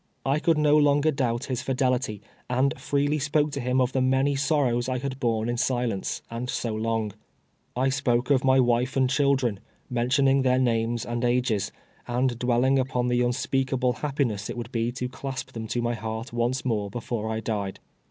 I could no longer doubt his fidelity, and freely spoke to him of the many sorrows I had borne in silence, and so long, I spoke of my wife and chil dren, mentioning their names and ages, and dwelling upon the unspeakable happiness it would be to clasp them to my heart once more before I died.